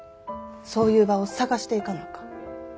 そういう場を探していかなあかん。